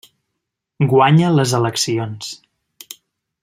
Guanya les eleccions.